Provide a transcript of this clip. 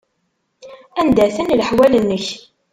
Anda-ten leḥwal-nnek?